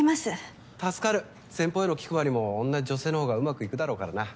先方への気配りも同じ女性のほうがうまくいくだろうからな。